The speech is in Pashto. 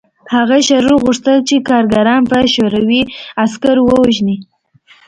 هغه شرور غوښتل چې کارګران په شوروي عسکرو ووژني